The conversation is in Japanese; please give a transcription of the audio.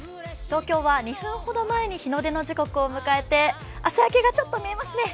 東京は２分ほど前に日の出の時刻を迎えて朝焼けがちょっと見えますね。